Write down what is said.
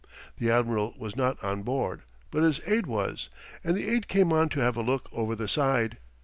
The admiral was not on board, but his aide was, and the aide came on to have a look over the side.